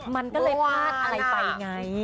มันก็เลยพลาดอะไรไปไง